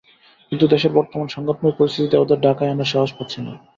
কিন্তু দেশের বর্তমান সংঘাতময় পরিস্থিতিতে ওদের ঢাকায় আনার সাহস পাচ্ছি না।